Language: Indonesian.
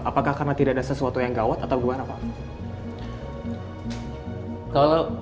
apakah karena tidak ada sesuatu yang gawat atau gimana pak